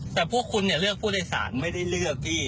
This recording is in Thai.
แต่พวกคุณเนี่ยเลือกผู้โดยสารไม่ได้เลือกพี่